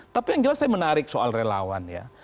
tapi yang jelas saya menarik soal relawan ya